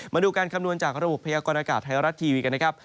มาดูการคำนวณจากระบบพยากรณากาศไทยรัฐทีวีกันนะครับ